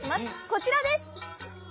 こちらです！